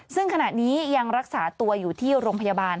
ซึ่งขณะนี้ยังรักษาตัวอยู่ที่โรงพยาบาล